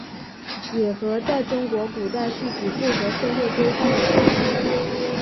野合在中国古代是指不合社会规范的婚姻。